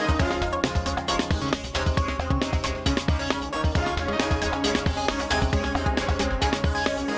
jake fishy dan